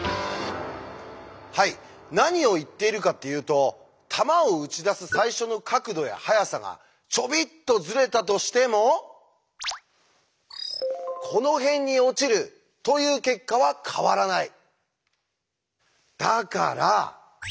はい何を言っているかっていうと弾を撃ち出す最初の角度や速さがちょびっとズレたとしてもこの辺に落ちるという結果は変わらない。